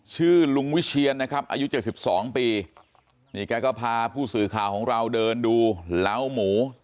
ชื่อลุงวิเชียนนะครับอายุ๗๒ปีนี่แกก็พาผู้สื่อข่าวของเราเดินดูเหล้าหมู